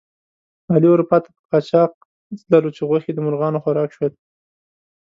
علي اروپا ته په قاچاق تللو چې غوښې د مرغانو خوراک شولې.